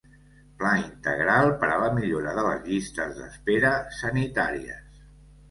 Pla integral per a la millora de les llistes d'espera sanitàries.